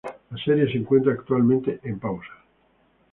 La serie se encuentra actualmente en pausa.